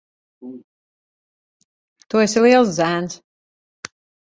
Tu esi liels zēns.